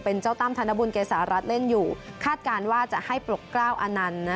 เป็นเจ้าตั้มธนบุญเกษารัฐเล่นอยู่คาดการณ์ว่าจะให้ปลกกล้าวอนันต์